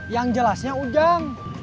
yang jelasnya ujang